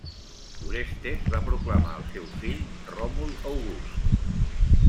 Orestes va proclamar al seu fill Ròmul August.